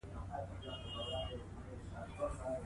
سرحدونه د افغانستان د طبیعي پدیدو یو رنګ دی.